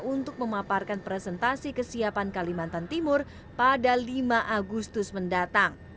untuk memaparkan presentasi kesiapan kalimantan timur pada lima agustus mendatang